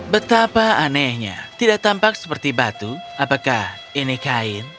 betapa anehnya tidak tampak seperti batu apakah ini kain